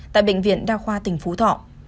tại bệnh viện đa khoa tỉnh phú thọ